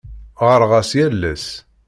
Ɣɣareɣ-as yal ass.